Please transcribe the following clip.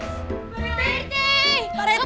siapkan pak rt